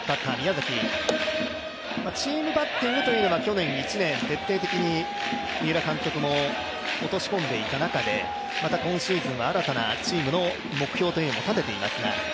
チームバッティングというのは、去年１年、徹底的に三浦監督も落とし込んでいた中でまた今シーズンは新たなチームの目標も立てていますが。